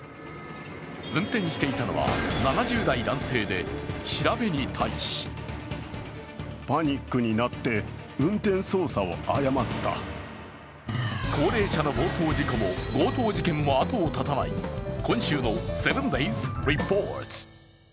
運転していたのは７０代男性で、調べに対し高齢者の暴走事故も強盗事件も後を絶たない今週の「７ｄａｙｓリポート」。